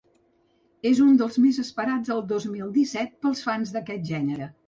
És un dels més esperats del dos mil disset pels fans d’aquest gènere.